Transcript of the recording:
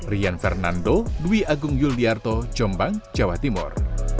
rian fernando dwi agung yuliarto jombang jawa timur